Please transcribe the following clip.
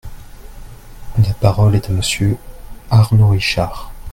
La parole est à Monsieur Arnaud Richard.